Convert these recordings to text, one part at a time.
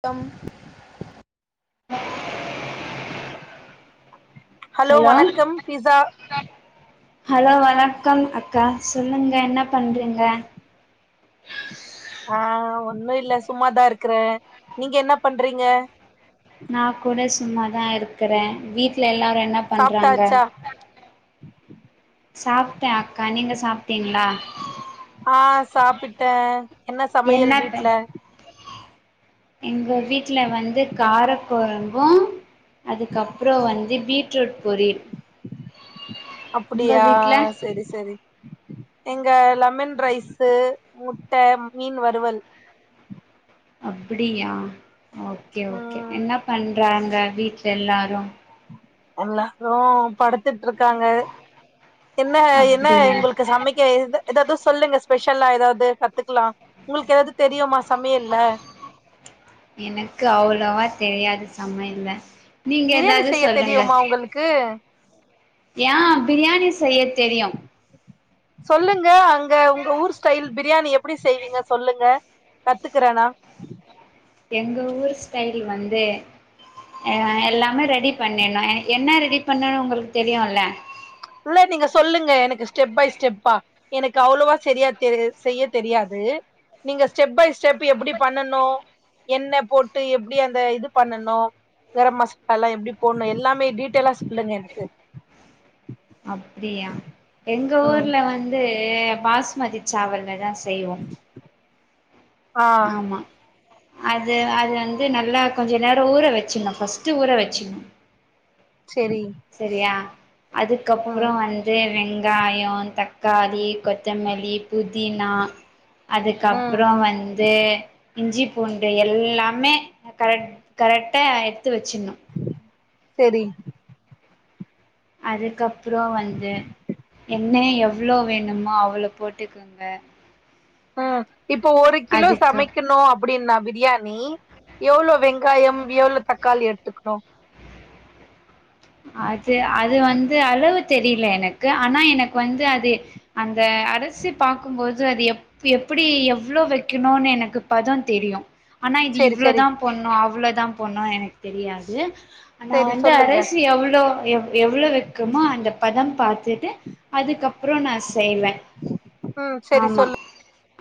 த்தம் hello வணக்கம் பிஸா hello வணக்கம் அக்கா சொல்லுங்க என்ன பண்றீங்க ஆ ஒண்ணு இல்ல சும்மாதா இருக்றே நீங்க என்ன பண்றீங்க நா கூட சும்மாதா இருக்றேன் வீட்ல எல்லாரு என்ன பண்றாங்க சாப்ட்டாச்சா சாப்டே அக்கா நீங்க சாப்டீங்ளா ஆ சாப்பிட்டே என்ன சமையல் வீட்ல எங்க வீட்ல வந்து கார கொழம்பு அதுக்கப்பறோ வந்து பீட்ரூட் பொரில் அப்படியா வீட்ல செரி செரி எங்க லெமன் ரைஸு முட்ட மீன் வறுவல் அப்டியா ஓகே ஓகே ம் என்ன பண்றாங்க வீட்ல எல்லாரு உள்ளஹ் ரூம் படுத்துட்ருக்காங்க என்ன என்ன அப்டியா இவுங்களுக்கு சமக்க இது எதாது சொல்லுங்க ஸ்பெஷல்லா ஏதாது கத்துக்லா உங்களுக்கு எதாது தெரியுமா சமையல்ல எனக்கு அவ்ளவா தெரியாது சமையல்ல நீங்க பிரியாணி ஏதாது செய்ய சொல்லுங்க தெரியுமா உங்களுக்கு ஏ ப்ரியாணி செய்ய தெரியு சொல்லுங்க அங்க உங்க ஊர் ஸ்டைல் ப்ரியாணி எப்டி செய்வீங்க சொல்லுங்க கத்துக்றே நா எங்க ஊர் ஸ்டைல் வந்து அ எல்லாமே ரெடி பண்ணிற்ணு இங் என்ன ரெடி பண்ணுனு உங்களுக்கு தெரியும்ல உள்ள நீங்க சொல்லுங்க எனக்கு ஸ்டெப் பை ஸ்டெப்பா எனக்கு அவ்ளோவா சரியா தெரி செய்ய தெரியாது நீங்க ஸ்டெப் பை ஸ்டெப் எப்டி பண்ணணு என்ன போட்டு எப்டி அந்த இது பண்ணணு கரம்மசாலா எப்படி போடணு எல்லாமே டீட்டெயிலா சொல்லுங்க எனக்கு அப்டியா எங்க ம் ஊர்ல வந்து பாஸ்மதி சாவல்லதா செய்வோ ஆ ஆமா அது அது வந்து நல்லா கொஞ்ச நேரோ ஊற வச்சுர்ணு ஃபஸ்ட்டு ஊற வெச்சிர்ணு செரி செரியா அதுக்கப்றோ ம் வந் து வெங்காயோ தக்காளி கொத்தமல்லி புதினா ம் அதுக்கப்றோ வந்து இஞ்சி பூண்டு எல்லாமே கரெட் கரெக்டா எடுத்து வச்சிட்ணு செரி அதுக்கப்றோ வந்து எண்ண எவ்ளோ வேணுமோ அவ்ளோ போட்டுக்கங்க அ இப்போ ஒரு கிலோ அதுக்கப் சமைக்கணு அப் டின்னா பிரியாணி எவ்ளோ வெங்காயோ எவ்ளோ தக்காளி எடுத்துக்கணு அது அது வந்து அளவு தெரில எனக்கு ஆனா எனக்கு வந்து அது அந்த அரசி பாக்கும்போது அது எப் டி எவ்ளோ வைக்கணுனு எனக்கு பதோ தெரியு ஆனா இது செரி செரி இவ்வளோதா போட்ணு அவ்வளோதா போட்ண்ணு எனக்கு தெரியாது ஆனா செரி வந்து சொல்லுங்க அரி சி எவ்ளோ எவ்ளோ வைக்குமோ அந்த பதோ பாத்துட்டு அதுக்கப்றோ நா செய்வே ம் செரி ஆமா சொல்லு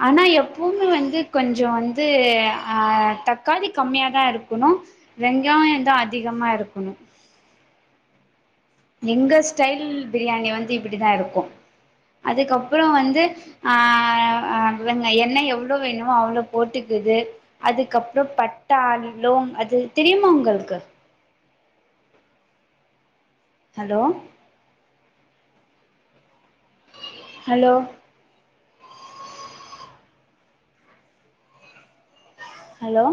ஆனா எப்பவுமே வந்து கொஞ்சோ வந்து அ தக்காளி கம்மியாதா இருக்கணு வெங்காயந்தா அதிகமா இருக்கணு எங்க ஸ்டைல் பிரியாணி வந்து இப்டிதா இருக்கு அதுக்கப்றோ வந்து அ அவுங்க எண்ணெ எவ்ளோ வேணுமோ அவ்ளோ போட்டுக்குது அதுக்கப்றோ பட்டா லோங் அது தெரியுமா உங்களுக்கு ஹலோ ஹலோ ஹலோ